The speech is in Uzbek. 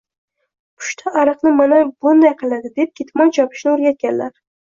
Pushta-ariqni mana bunday qiladi”, deb ketmon chopishni o‘rgatganlar.